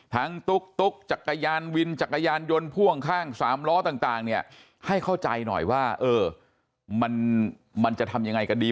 ตุ๊กจักรยานวินจักรยานยนต์พ่วงข้างสามล้อต่างเนี่ยให้เข้าใจหน่อยว่าเออมันจะทำยังไงกันดี